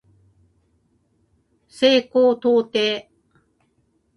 西高東低